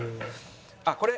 あっこれ！